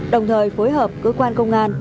đồng thời phối hợp cơ quan công an